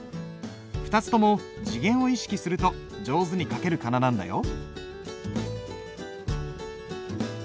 ２つとも字源を意識すると上手に書ける仮名なんだよ。